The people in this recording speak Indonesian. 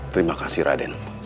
terima kasih raden